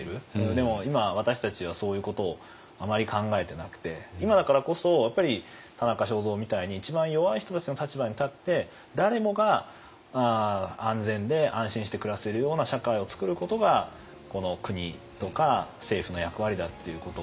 でも今私たちはそういうことをあまり考えてなくて今だからこそやっぱり田中正造みたいに一番弱い人たちの立場に立って誰もが安全で安心して暮らせるような社会をつくることがこの国とか政府の役割だっていうことつまり人権の思想ですよね。